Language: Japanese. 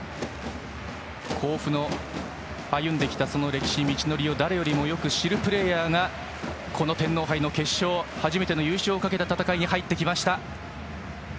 甲府の歩んできた歴史、道のりを誰よりもよく知るプレーヤーがこの天皇杯の決勝初めての優勝をかけた戦いに入ってきました。